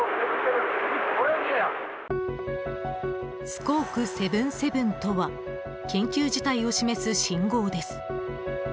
スコーク７７とは緊急事態を示す信号です。